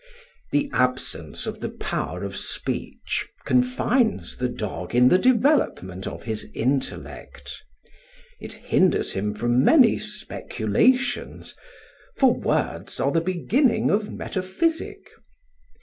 The absence of the power of speech confines the dog in the development of his intellect. It hinders him from many speculations, for words are the beginning of metaphysic.